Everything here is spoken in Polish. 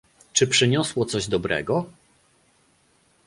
czy przyniosło coś dobrego?